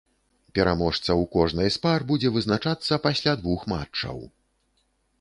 Пераможца ў кожнай з пар будзе вызначацца пасля двух матчаў.